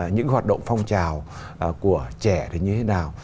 những hoạt động phong trào của trẻ thì như thế nào